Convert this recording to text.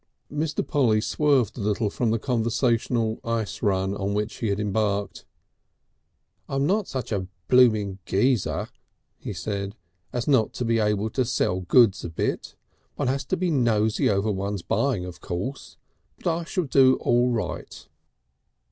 Mr. Polly swerved a little from the conversational ice run upon which he had embarked. "I'm not such a blooming Geezer," he said, "as not to be able to sell goods a bit. One has to be nosy over one's buying of course. But I shall do all right."